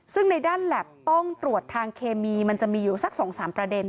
ซึ่งในด้านแล็บต้องตรวจทางเคมีมันจะมีอยู่สัก๒๓ประเด็น